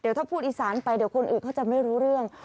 ถ้าพูดอีสานไปเดี๋ยวคนอื่นเขาจะไม่รู้เรื่อง